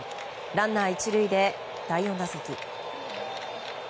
ランナー１塁で第４打席。